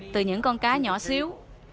từ những con cá nhỏ xíu